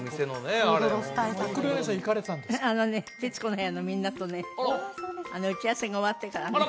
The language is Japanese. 「徹子の部屋」のみんなとね打ち合わせが終わってからね